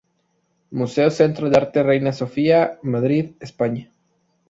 Museo Centro de Arte Reina Sofía, Madrid, España.